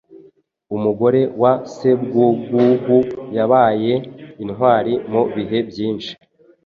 Umugore wa Sebwugugu yabaye intwari mu bihe byinshi